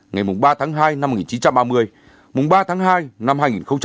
ngày ba tháng hai năm một nghìn chín trăm ba mươi ba tháng hai năm hai nghìn một mươi chín